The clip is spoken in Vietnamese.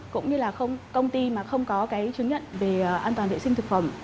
cũng như là công ty mà không có cái chứng nhận về an toàn vệ sinh thực phẩm